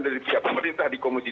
dari pihak pemerintah di komisi